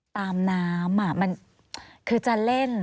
ตามน้ำมันคือจะเล่น